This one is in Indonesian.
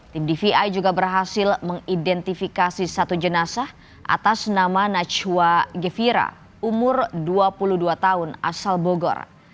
tim dvi juga berhasil mengidentifikasi satu jenazah atas nama najwa gefira umur dua puluh dua tahun asal bogor